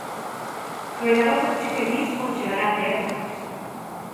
"Coidado co que dis ao chegar a terra".